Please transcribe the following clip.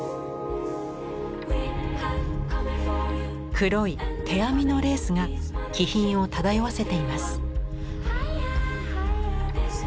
黒い手編みのレースが気品を漂わせています。